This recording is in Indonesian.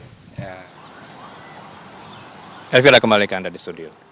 saya fira kembali ke anda di studio